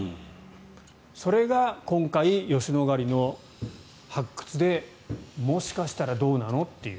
それが今回吉野ヶ里遺跡の発掘でもしかしたらどうなのという。